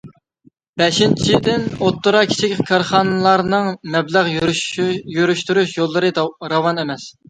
بەشىنچىدىن، ئوتتۇرا- كىچىك كارخانىلارنىڭ مەبلەغ يۈرۈشتۈرۈش يوللىرى راۋان ئەمەس.